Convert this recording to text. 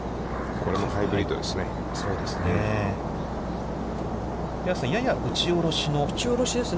これもハイブリッドですね。